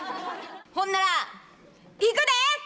ほんならいくで！